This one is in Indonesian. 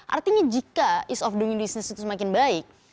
artinya jika ease of doing business itu semakin baik